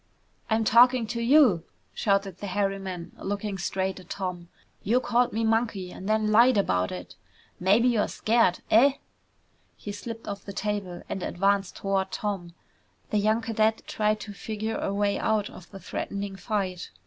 "I'm talking to you!" shouted the hairy man, looking straight at Tom. "You called me Monkey and then lied about it! Maybe you're scared, eh?" He slipped off the table and advanced toward Tom. The young cadet tried to figure a way out of the threatening fight.